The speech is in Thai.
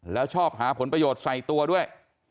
แล้วชอบหาผลประโยชน์ใส่ตัวด้วย